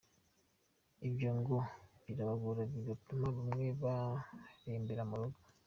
Ibyo ngo birabagora bigatuma bamwe barembera mu rugo.